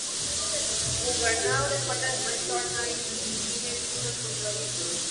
Juggernaut es parte del proyecto Arma X, y tiene vínculos con Rogue.